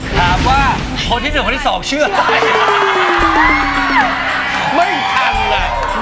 สาปว่าเพิ่งพี่หนูกว่าพี่สองชื่ออะไร